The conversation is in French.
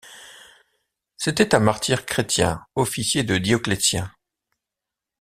C'était un martyr chrétien, officier de Dioclétien.